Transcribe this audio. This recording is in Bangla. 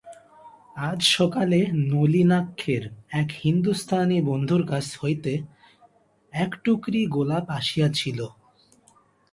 আজ সকালে নলিনাক্ষের এক হিন্দুস্থানি বন্ধুর কাছ হইতে এক টুকরি গোলাপ আসিয়াছিল।